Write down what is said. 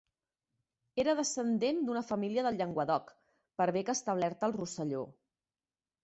Era descendent d'una família del Llenguadoc, per bé que establerta al Rosselló.